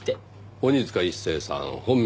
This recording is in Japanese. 鬼塚一誠さん本名